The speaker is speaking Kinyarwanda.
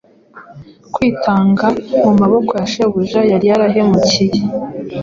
Kwitanga mu maboko ya shebuja yari yarahemukiye,